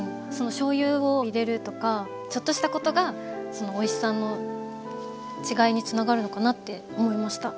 しょうゆを入れるとかちょっとしたことがおいしさの違いにつながるのかなって思いました。